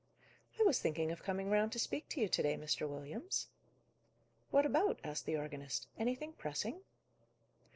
"I was thinking of coming round to speak to you to day, Mr. Williams." "What about?" asked the organist. "Anything pressing?"